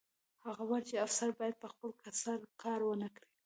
هغه وویل چې افسر باید په خپل سر کار ونه کړي